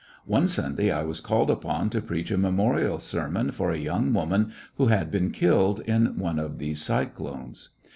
One Bnnday I was called upon to preach a memorial sermon for a young woman who had been killed in one of these cyclones.